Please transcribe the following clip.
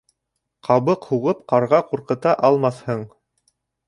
Ҡабыҡ һуғып ҡарға ҡурҡыта алмаҫһың.